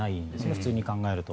普通に考えると。